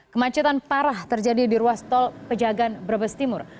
kemacetan parah terjadi di ruas tol pejagaan brebes timur